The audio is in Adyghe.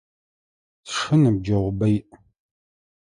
Сшы ныбджэгъубэ иӏ.